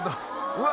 うわ！